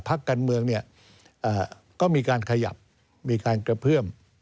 พักการเมืองก็มีการขยับมีการกระเพื่อม